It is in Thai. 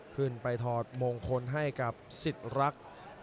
ถอดมงคลให้กับสิทธิ์รัก